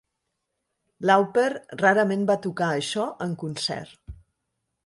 Lauper rarament va tocar això en concert.